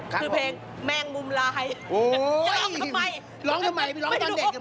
ครับผมคือเพลงแม่งมุมลายโอ้ยจะร้องทำไมร้องทำไมร้องตอนเด็ก